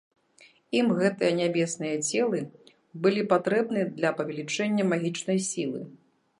Ім гэтыя нябесныя целы былі патрэбны для павялічэння магічнай сілы.